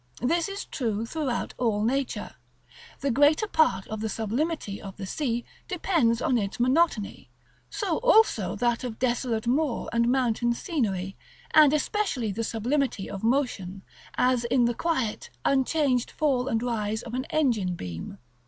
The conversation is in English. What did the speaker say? This is true throughout all nature. The greater part of the sublimity of the sea depends on its monotony; so also that of desolate moor and mountain scenery; and especially the sublimity of motion, as in the quiet, unchanged fall and rise of an engine beam.